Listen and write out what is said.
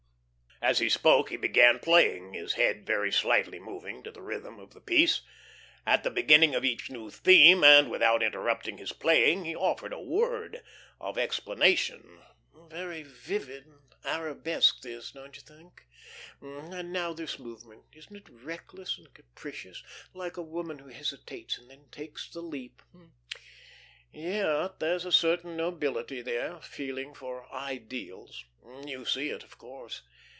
As he spoke he began playing, his head very slightly moving to the rhythm of the piece. At the beginning of each new theme, and without interrupting his playing, he offered a word, of explanation: "Very vivid and arabesque this, don't you think? ... And now this movement; isn't it reckless and capricious, like a woman who hesitates and then takes the leap? Yet there's a certain nobility there, a feeling for ideals. You see it, of course....